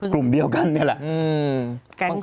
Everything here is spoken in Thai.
กลุ่มเดียวกันนี่แหละ